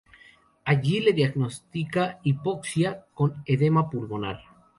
Allí le diagnostica hipoxia con edema pulmonar.